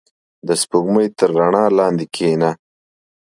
• د سپوږمۍ تر رڼا لاندې کښېنه.